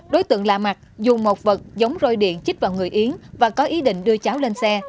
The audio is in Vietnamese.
đối tượng lạ mặt dùng một vật giống roi điện chích vào người yến và có ý định đưa cháu lên xe